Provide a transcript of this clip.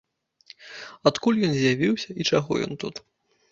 Адкуль ён з'явіўся і чаго ён тут.